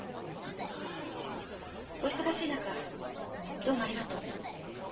お忙しい中どうもありがとう。